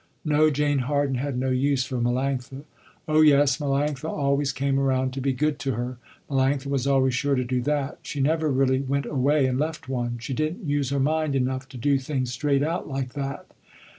No, Jane Harden had no use for Melanctha. Oh yes, Melanctha always came around to be good to her. Melanctha was always sure to do that. She never really went away and left one. She didn't use her mind enough to do things straight out like that.